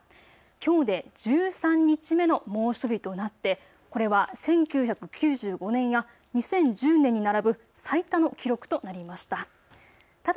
きょうで１３日目の猛暑日となってこれは１９９５年や２０１０年に並ぶ最多の記録となりました。